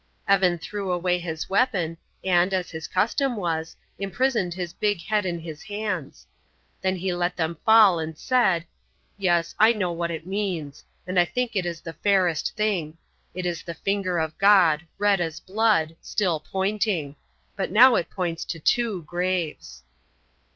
Evan threw away his weapon, and, as his custom was, imprisoned his big head in his hands. Then he let them fall and said: "Yes, I know what it means; and I think it is the fairest thing. It is the finger of God red as blood still pointing. But now it points to two graves."